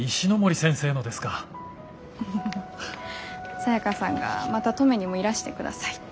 サヤカさんがまた登米にもいらしてくださいって。